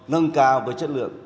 nâng cao với chất lượng